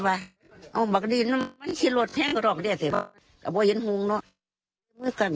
คือไว้ดูมันไม่บ่นปวดดอกมันไม่บ่นปวดดอกเมื่อน